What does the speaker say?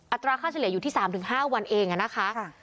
อัตราค่าเฉลี่ยอยู่ที่๓๕วันเองนะคะ